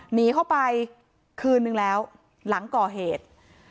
หนีเข้าไปคืนนึงแล้วหลังก่อเหตุ